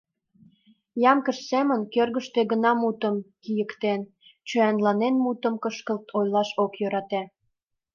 Ямшык семын кӧргыштӧ гына мутым кийыктен, чояланен мутым кышкылт ойлаш ок йӧрате.